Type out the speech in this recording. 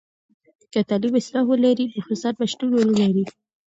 که تعلیم اصلاح ولري، نو فساد به شتون ونلري.